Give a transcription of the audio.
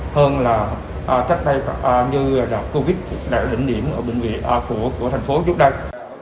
hơn là cách như covid đạt định điểm của thành phố trước đây